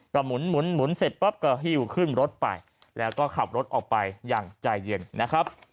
ก็หมุนเสร็จปั๊บก็หิวขึ้นรถไปแล้วก็ขับรถออกไปอย่างใจเย็นนะครับ